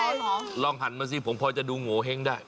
เอาทรองขาวไปเลยจัดให้